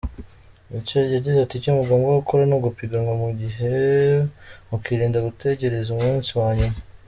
Yagize ati “Icyo mugomba gukora ni ugupiganwa ku gihe mukirinda gutegereza umunsi wa nyuma.